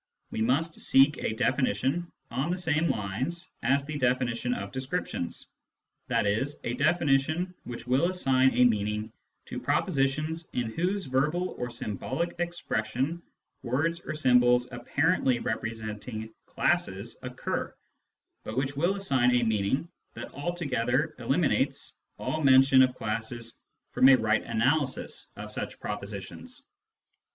We must seek a definition on the same lines as the definition of descriptions, i.e. a definition which will assign a meaning to propositions in whose verbal or symbolic expression words or symbols apparently representing classes occur, but which will assign a meaning that altogether eliminates all mention of classes from a right analysis 1 82 Introduction to Mathematical Philosophy of such propositions.